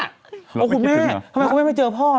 เราไม่คิดถึงหรอโทรคุยกันทั้งวันทำไมคุณแม่ไม่เจอพ่อ